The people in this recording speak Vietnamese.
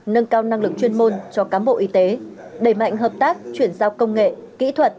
nâng cao năng lực chuyên môn cho cám bộ y tế đẩy mạnh hợp tác chuyển giao công nghệ kỹ thuật